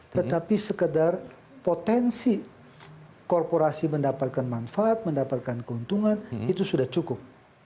tetapi sekedar potensi korporasi mendapatkan manfaat mendapatkan keuntungan itu sudah cukup